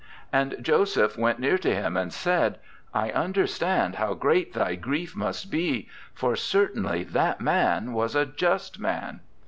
And Joseph went near to him and said, "I understand how great thy grief must be, for certainly that Man was a just Man."